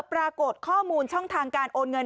ปรากฏข้อมูลช่องทางการโอนเงิน